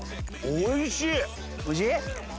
おいしい！